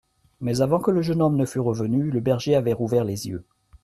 Mais avant que le jeune homme ne fût revenu, le berger avait rouvert les yeux.